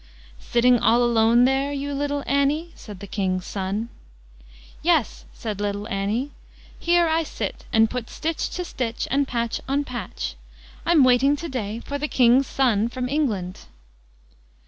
"Sitting all alone there, you little Annie?" said the King's son. "Yes", said little Annie, "here I sit and put stitch to stitch and patch on patch. I'm waiting to day for the King's son from England."